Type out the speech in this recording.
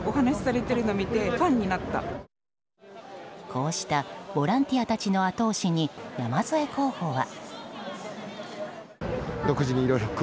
こうしたボランティアたちの後押しに山添候補は。